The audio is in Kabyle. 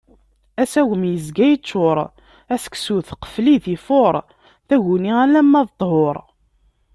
Asagem, yezga yeččur. Aseksut, qfel-it ifuṛ. Taguni, alamma d ṭṭhur.